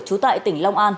chú tại tỉnh long an